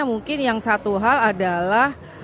mungkin yang satu hal adalah